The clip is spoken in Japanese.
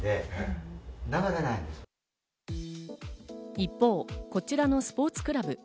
一方、こちらのスポーツクラブ。